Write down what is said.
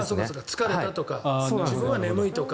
疲れたとか、自分は眠いとか。